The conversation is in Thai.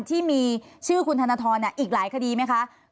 ที่มีชื่อคุณธนทรอีกหลายคดีไหมคะ